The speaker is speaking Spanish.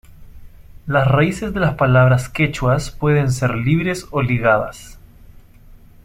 Las raíces de las palabras quechuas pueden ser libres o ligadas.